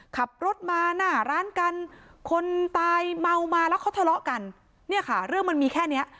ขับรถมาหน้าร้านกันคนตายเมามาแล้วเขาทะเลาะกันเนี่ยค่ะเรื่องมันมีแค่เนี้ย